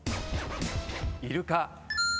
イルカ。